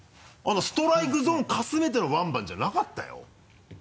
ストライクゾーンかすめてのワンバウンドじゃなかったよ？